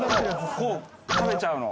こう食べちゃうの。